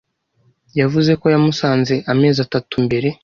Yavuze ko yamusanze amezi atatu mbere.